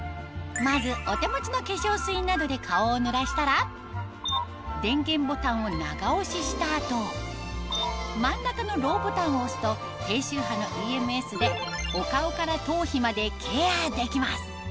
まずお手持ちの化粧水などで顔を濡らしたら電源ボタンを長押しした後真ん中のＬＯＷボタンを押すと低周波のＥＭＳでお顔から頭皮までケアできます